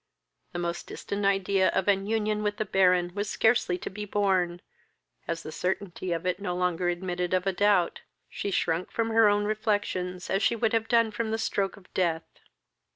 The most distant idea of an union with the Baron was scarcely to be borne, as the certainty of it no longer admitted of a doubt, she shrunk from her own reflections as she would have done from the stroke of death.